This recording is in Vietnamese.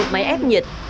một máy ép nhiệt